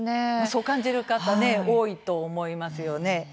そう感じる方もね多いと思いますよね。